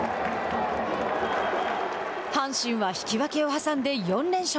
阪神は引き分けを挟んで４連勝。